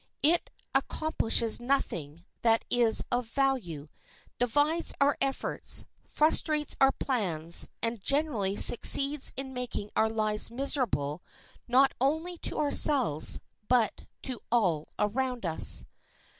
It accomplishes nothing that is of value, divides our efforts, frustrates our plans, and generally succeeds in making our lives miserable not only to ourselves, but to all around us.